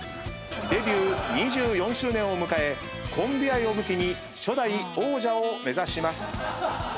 デビュー２４周年を迎えコンビ愛を武器に初代王者を目指します。